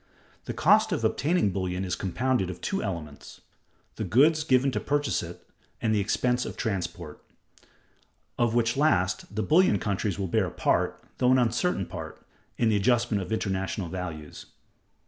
The cost of obtaining bullion is compounded of two elements; the goods given to purchase it and the expense of transport; of which last, the bullion countries will bear a part (though an uncertain part) in the adjustment of international values.